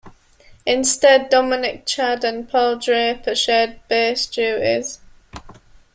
Instead Dominic Chad and Paul Draper shared bass duties.